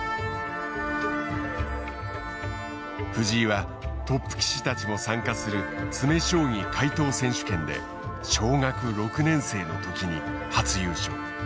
藤井はトップ棋士たちも参加する詰将棋解答選手権で小学６年生の時に初優勝。